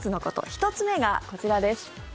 １つ目がこちらです。